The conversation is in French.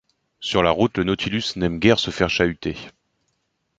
Sur la route, la Nautilus n’aime guère se faire chahuter.